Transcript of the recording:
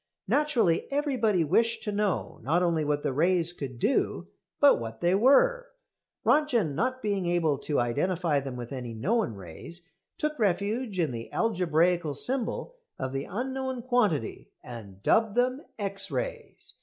Naturally everybody wished to know not only what the rays could do, but what they were. Röntgen, not being able to identify them with any known rays, took refuge in the algebraical symbol of the unknown quantity and dubbed them X rays.